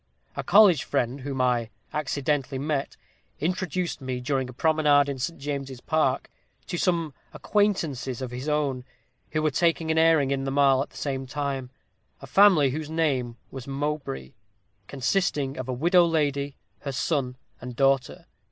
A college friend, whom I accidentally met, introduced me, during a promenade in St. James's Park, to some acquaintances of his own, who were taking an airing in the Mall at the same time a family whose name was Mowbray, consisting of a widow lady, her son, and daughter.